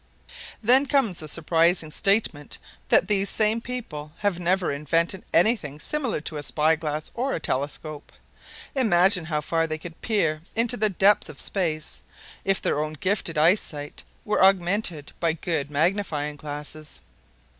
Then comes the surprising statement that these same people have never invented anything similar to a spy glass or a telescope. Imagine how far they could peer into the depth of space if their own gifted eyesight were augmented by good magnifying glasses.